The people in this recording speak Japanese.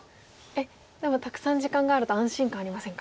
えっでもたくさん時間があると安心感ありませんか？